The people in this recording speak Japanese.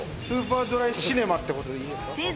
スーパードライシネマっていう事でいいんですか？